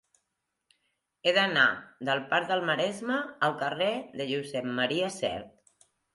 He d'anar del parc del Maresme al carrer de Josep M. Sert.